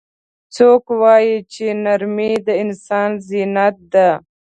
څوک وایي چې نرمۍ د انسان زینت ده